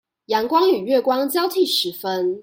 陽光與月光交替時分